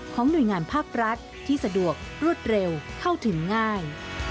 หน่วยงานภาครัฐที่สะดวกรวดเร็วเข้าถึงง่าย